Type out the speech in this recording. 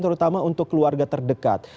terutama untuk keluarga terdekat